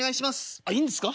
「あっいいんですか？」。